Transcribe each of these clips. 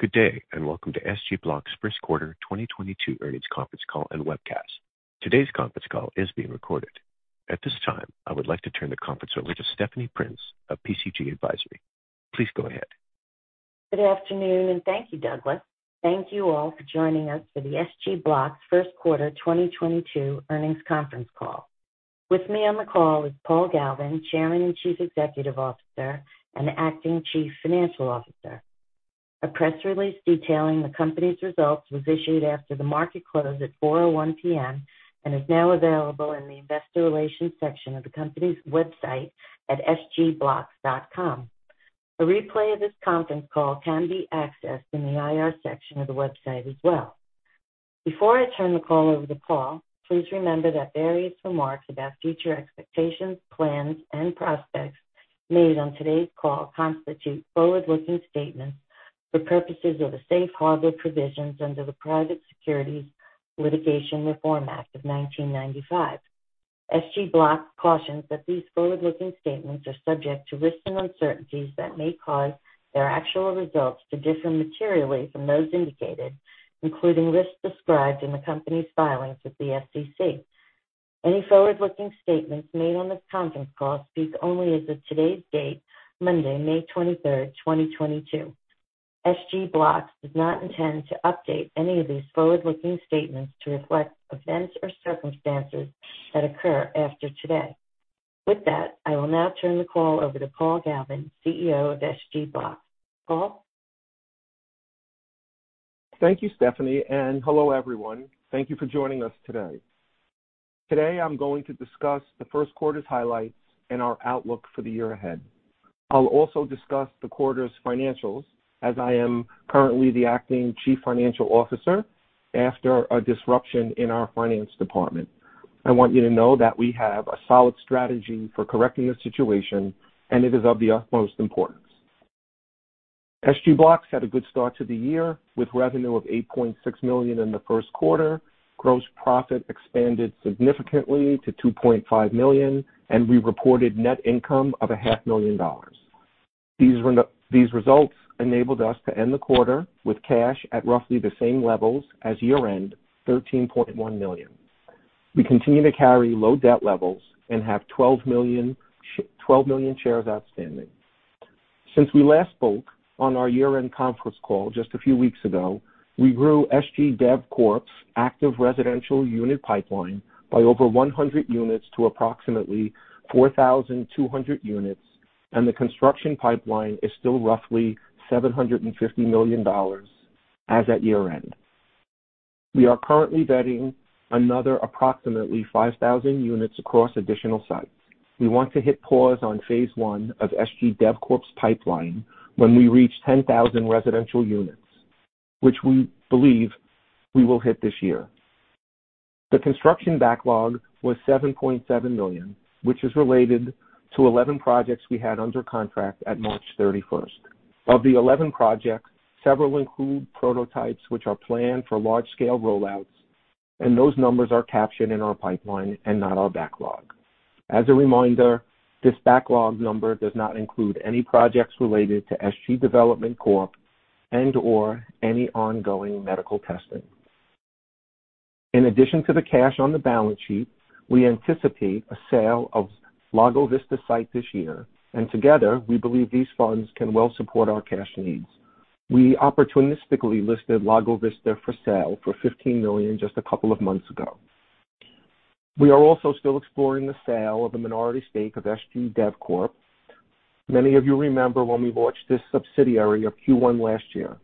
Good day, and welcome to SG Blocks first quarter 2022 earnings conference call and webcast. Today's conference call is being recorded. At this time, I would like to turn the conference over to Stephanie Prince of PCG Advisory. Please go ahead. Good afternoon, and thank you, Douglas. Thank you all for joining us for the SG Blocks first quarter 2022 earnings conference call. With me on the call is Paul Galvin, Chairman and Chief Executive Officer and Acting Chief Financial Officer. A press release detailing the company's results was issued after the market closed at 4:01 P.M. and is now available in the investor relations section of the company's website at sgblocks.com. A replay of this conference call can be accessed in the IR section of the website as well. Before I turn the call over to Paul, please remember that various remarks about future expectations, plans, and prospects made on today's call constitute forward-looking statements for purposes of the safe harbor provisions under the Private Securities Litigation Reform Act of 1995. SG Blocks cautions that these forward-looking statements are subject to risks and uncertainties that may cause their actual results to differ materially from those indicated, including risks described in the company's filings with the SEC. Any forward-looking statements made on this conference call speak only as of today's date, Monday, May 23rd, 2022. SG Blocks does not intend to update any of these forward-looking statements to reflect events or circumstances that occur after today. With that, I will now turn the call over to Paul Galvin, CEO of SG Blocks. Paul. Thank you, Stephanie, and hello, everyone. Thank you for joining us today. Today, I'm going to discuss the first quarter's highlights and our outlook for the year ahead. I'll also discuss the quarter's financials as I am currently the acting Chief Financial Officer after a disruption in our finance department. I want you to know that we have a solid strategy for correcting the situation, and it is of the utmost importance. SG Blocks had a good start to the year with revenue of $8.6 million in the first quarter. Gross profit expanded significantly to $2.5 million, and we reported net income of a half million dollars. These results enabled us to end the quarter with cash at roughly the same levels as year-end, $13.1 million. We continue to carry low debt levels and have 12 million shares outstanding. Since we last spoke on our year-end conference call just a few weeks ago, we grew SG DevCorp's active residential unit pipeline by over 100 units to approximately 4,200 units, and the construction pipeline is still roughly $750 million as at year-end. We are currently vetting another approximately 5,000 units across additional sites. We want to hit pause on phase I of SG DevCorp's pipeline when we reach 10,000 residential units, which we believe we will hit this year. The construction backlog was $7.7 million, which is related to 11 projects we had under contract at March 31st. Of the 11 projects, several include prototypes, which are planned for large-scale rollouts, and those numbers are captured in our pipeline and not our backlog. As a reminder, this backlog number does not include any projects related to SG Development Corp and/or any ongoing medical testing. In addition to the cash on the balance sheet, we anticipate a sale of Lago Vista site this year, and together, we believe these funds can well support our cash needs. We opportunistically listed Lago Vista for sale for $15 million just a couple of months ago. We are also still exploring the sale of a minority stake of SG DevCorp. Many of you remember when we launched this subsidiary in Q1 last year.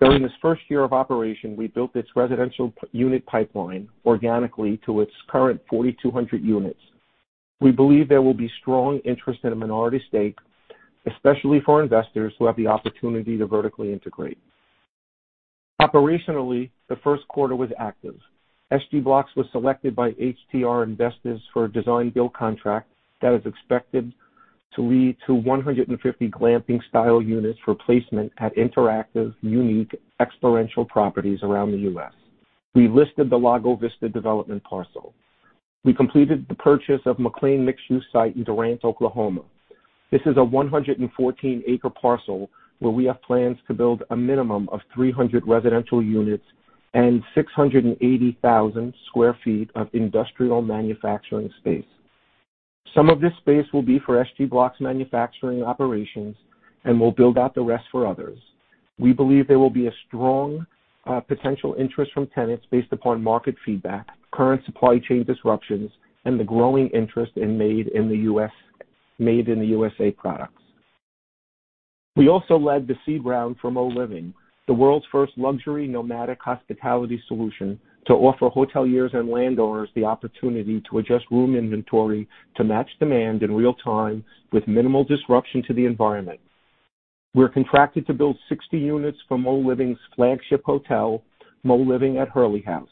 During this first year of operation, we built its residential unit pipeline organically to its current 4,200 units. We believe there will be strong interest in a minority stake, especially for investors who have the opportunity to vertically integrate. Operationally, the first quarter was active. SG Blocks was selected by HTR Investors for a design-build contract that is expected to lead to 150 glamping-style units for placement at interactive, unique, experiential properties around the U.S. We listed the Lago Vista development parcel. We completed the purchase of McLean mixed-use site in Durant, Oklahoma. This is a 114-acre parcel where we have plans to build a minimum of 300 residential units and 680,000 sq ft of industrial manufacturing space. Some of this space will be for SG Blocks manufacturing operations, and we'll build out the rest for others. We believe there will be a strong potential interest from tenants based upon market feedback, current supply chain disruptions, and the growing interest in made in the USA products. We also led the seed round for Moliving, the world's first luxury nomadic hospitality solution to offer hoteliers and landowners the opportunity to adjust room inventory to match demand in real time with minimal disruption to the environment. We're contracted to build 60 units for Moliving's flagship hotel, Moliving at Hurley House,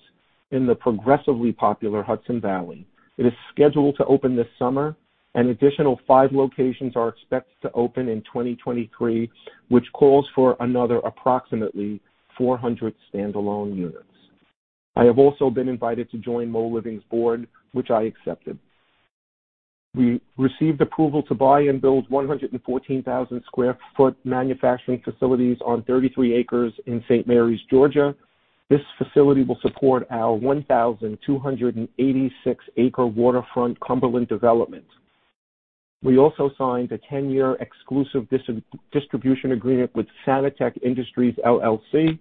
in the progressively popular Hudson Valley. It is scheduled to open this summer, and additional five locations are expected to open in 2023, which calls for another approximately 400 standalone units. I have also been invited to join Moliving's board, which I accepted. We received approval to buy and build 114,000 sq ft manufacturing facilities on 33 acres in St. Marys, Georgia. This facility will support our 1,286-acre waterfront Cumberland development. We also signed a 10-year exclusive distribution agreement with Sanitech LLC.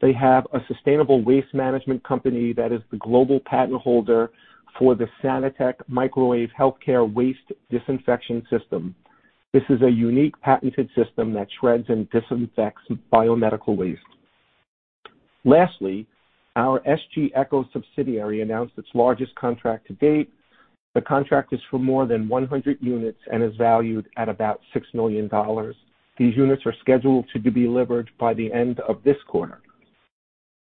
They have a sustainable waste management company that is the global patent holder for the Sanitec Microwave Healthcare Waste Disinfection System. This is a unique patented system that shreds and disinfects biomedical waste. Lastly, our SG Echo subsidiary announced its largest contract to date. The contract is for more than 100 units and is valued at about $6 million. These units are scheduled to be delivered by the end of this quarter.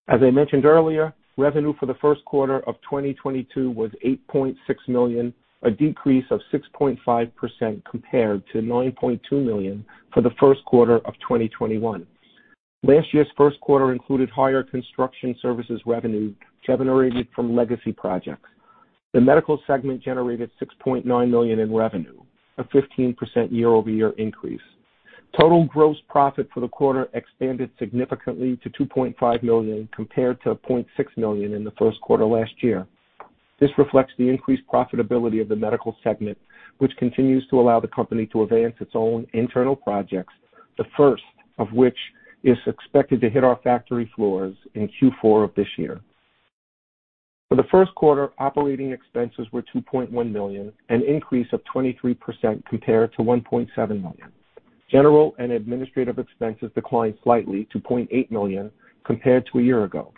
As I mentioned earlier, revenue for the first quarter of 2022 was $8.6 million, a decrease of 6.5% compared to $9.2 million for the first quarter of 2021. Last year's first quarter included higher construction services revenue generated from legacy projects. The medical segment generated $6.9 million in revenue, a 15% year-over-year increase. Total gross profit for the quarter expanded significantly to $2.5 million, compared to $0.6 million in the first quarter last year. This reflects the increased profitability of the medical segment, which continues to allow the company to advance its own internal projects, the first of which is expected to hit our factory floors in Q4 of this year. For the first quarter, operating expenses were $2.1 million, an increase of 23% compared to $1.7 million. General and administrative expenses declined slightly to $0.8 million compared to a year ago.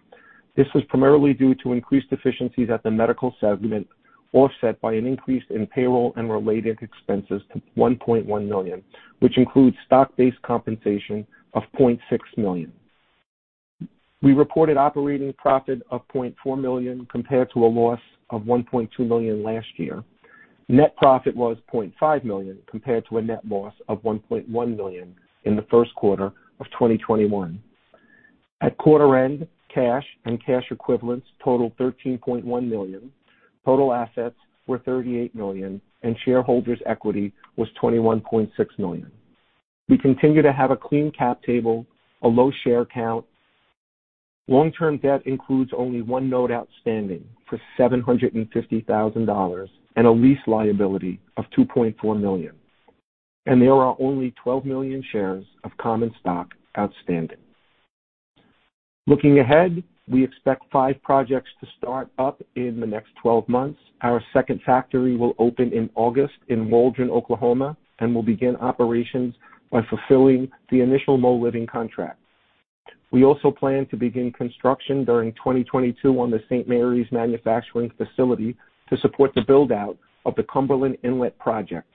This was primarily due to increased efficiencies at the medical segment, offset by an increase in payroll and related expenses to $1.1 million, which includes stock-based compensation of $0.6 million. We reported operating profit of $0.4 million compared to a loss of $1.2 million last year. Net profit was $0.5 million compared to a net loss of $1.1 million in the first quarter of 2021. At quarter end, cash and cash equivalents totaled $13.1 million. Total assets were $38 million, and shareholders' equity was $21.6 million. We continue to have a clean cap table, a low share count. Long-term debt includes only one note outstanding for $750,000 and a lease liability of $2.4 million. There are only 12 million shares of common stock outstanding. Looking ahead, we expect five projects to start up in the next 12 months. Our second factory will open in August in Waldron, Oklahoma, and will begin operations by fulfilling the initial Moliving contract. We also plan to begin construction during 2022 on the St. Marys manufacturing facility to support the build out of the Cumberland Inlet project.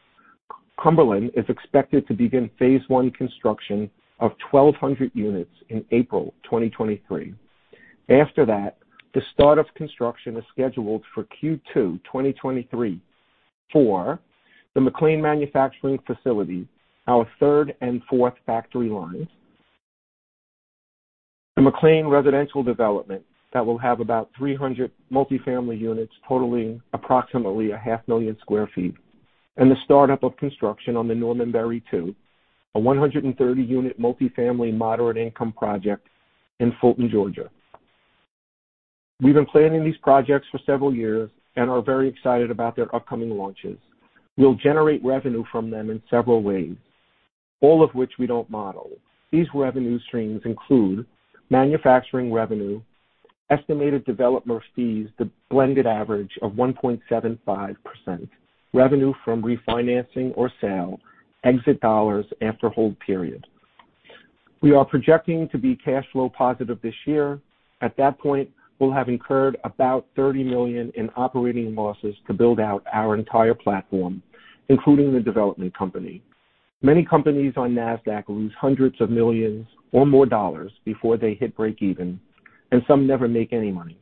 Cumberland is expected to begin phase I construction of 1,200 units in April 2023. After that, the start of construction is scheduled for Q2 2023 for the McLean manufacturing facility, our third and fourth factory lines. The McLean residential development that will have about 300 multifamily units totaling approximately 500,000 sq ft. The startup of construction on the Norman Berry Village, a 130-unit multifamily moderate income project in Fulton, Georgia. We've been planning these projects for several years and are very excited about their upcoming launches. We'll generate revenue from them in several ways, all of which we don't model. These revenue streams include manufacturing revenue, estimated developer fees, the blended average of 1.75%, revenue from refinancing or sale, exit dollars after hold period. We are projecting to be cash flow positive this year. At that point, we'll have incurred about $30 million in operating losses to build out our entire platform, including the development company. Many companies on Nasdaq lose hundreds of millions or more dollars before they hit breakeven, and some never make any money.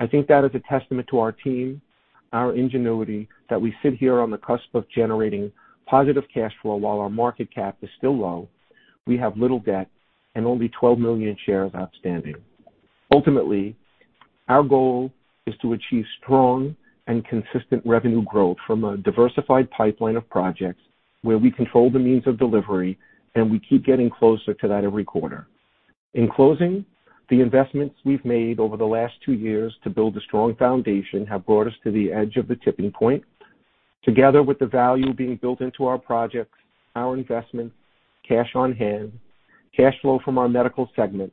I think that is a testament to our team, our ingenuity, that we sit here on the cusp of generating positive cash flow while our market cap is still low, we have little debt, and only 12 million shares outstanding. Ultimately, our goal is to achieve strong and consistent revenue growth from a diversified pipeline of projects where we control the means of delivery, and we keep getting closer to that every quarter. In closing, the investments we've made over the last two years to build a strong foundation have brought us to the edge of the tipping point. Together with the value being built into our projects, our investments, cash on hand, cash flow from our medical segment,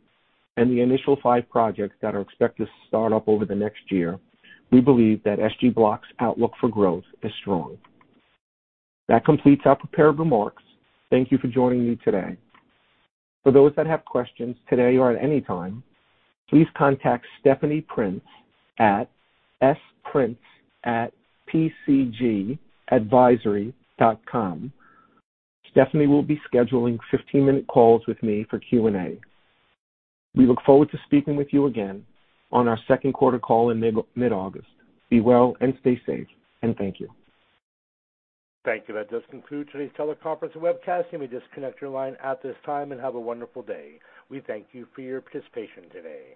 and the initial five projects that are expected to start up over the next year, we believe that SG Blocks outlook for growth is strong. That completes our prepared remarks. Thank you for joining me today. For those that have questions today or at any time, please contact Stephanie Prince at sprince@pcgadvisory.com. Stephanie will be scheduling 15-minute calls with me for Q&A. We look forward to speaking with you again on our second quarter call in mid-August. Be well and stay safe, and thank you. Thank you. That does conclude today's teleconference and webcast. You may disconnect your line at this time and have a wonderful day. We thank you for your participation today.